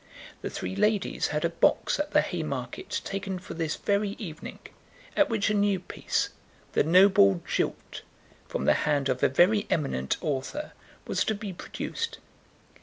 The three ladies had a box at the Haymarket taken for this very evening, at which a new piece, "The Noble Jilt," from the hand of a very eminent author, was to be produced.